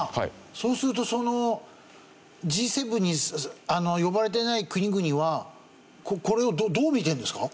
そうするとそのＧ７に呼ばれてない国々はこれをどう見てるんですか？